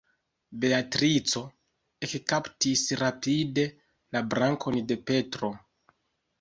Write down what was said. Beatrico ekkaptis rapide la brakon de Petro.